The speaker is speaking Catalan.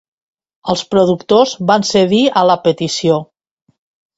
Els productors van cedir a la petició.